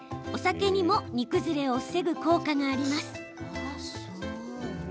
お酒にも煮崩れを防ぐ効果があります。